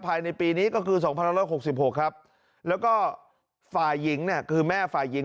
ภายในปีนี้ก็คือ๒๑๖๖ครับแล้วก็ฝ่ายหญิงเนี่ยคือแม่ฝ่ายหญิง